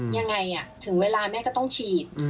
ยังไงถึงเวลาแม่ก็ต้องฉีด